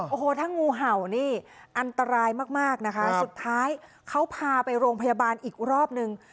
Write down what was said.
โอ้โหถ้างูเห่านี่อันตรายมากมากนะคะสุดท้ายเขาพาไปโรงพยาบาลอีกรอบนึง